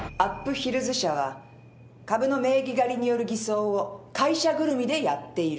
ヒルズ社は株の名義借りによる偽装を会社ぐるみでやっている。